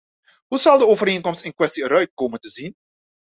Hoe zal de overeenkomst in kwestie er uit komen te zien?